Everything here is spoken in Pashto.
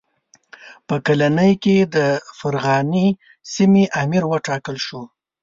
په کلنۍ کې د فرغانې سیمې امیر وټاکل شو.